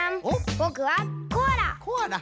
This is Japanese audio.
ぼくはコアラ！